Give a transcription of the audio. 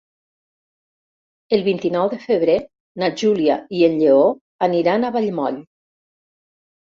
El vint-i-nou de febrer na Júlia i en Lleó aniran a Vallmoll.